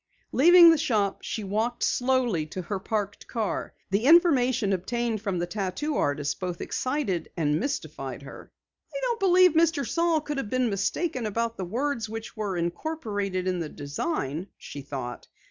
Leaving the shop, she walked slowly to her parked car. The information obtained from the tattoo artist both excited and mystified her. "I don't believe Mr. Saal could have been mistaken about the words which were incorporated in the design," she thought.